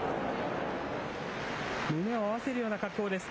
胸を合わせるような格好です。